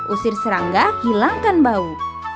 usir serangga hilangkan bau